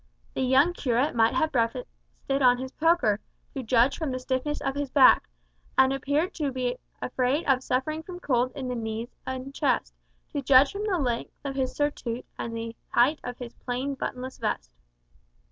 The young curate might have breakfasted on his poker, to judge from the stiffness of his back, and appeared to be afraid of suffering from cold in the knees and chest, to judge from the length of his surtout and the height of his plain buttonless vest.